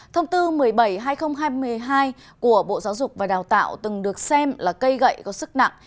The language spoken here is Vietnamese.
thông tư một mươi bảy hai nghìn hai mươi hai của bộ giáo dục và đào tạo từng được xem là cây gậy có sức nặng